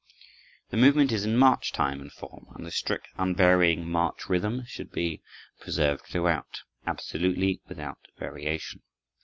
This movement is in march time and form, and the strict, unvarying march rhythm should be preserved throughout, absolutely without variation.